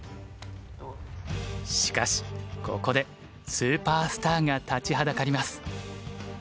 しかしここでスーパースターが立ちはだかります。